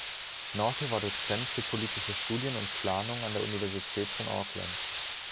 Northey war Dozent für politische Studien und Planung an der Universität von Auckland.